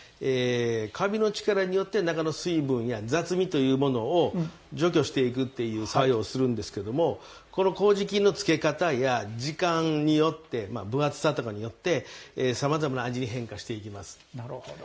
かびの力によって中の水分や雑味というものを作業をするんですけれどもこのこうじ菌の付け方や時間によって分厚さとかによってさまざまな味に変化していきます。